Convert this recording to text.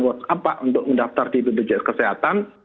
whatsapp pak untuk mendaftar di bpjs kesehatan